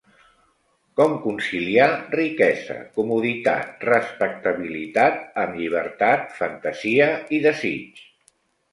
Com conciliar riquesa, comoditat, respectabilitat amb llibertat, fantasia i desig?